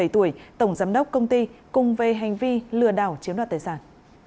ba mươi bảy tuổi tổng giám đốc công ty cùng về hành vi lừa đảo chiếm đoạt tài sản